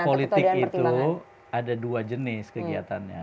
politik itu ada dua jenis kegiatannya